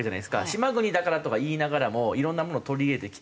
島国だからとかいいながらもいろんなもの取り入れてきたし。